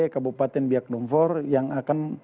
kabupaten biakdumfor yang akan